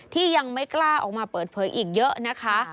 ที่ยังไม่กล้าออกมาเปิดเผยอีกเยอะนะคะ